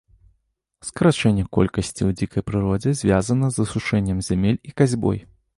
Скарачэнне колькасці ў дзікай прыродзе звязана з асушэннем зямель і касьбой.